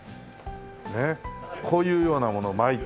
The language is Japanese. ねっこういうようなものを巻いて。